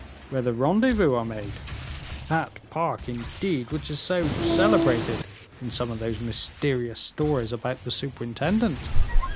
"Where the rendezvous are made; that park, indeed, which is so celebrated in some of those mysterious stories about the superintendent?"